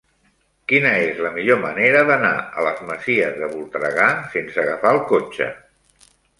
Quina és la millor manera d'anar a les Masies de Voltregà sense agafar el cotxe?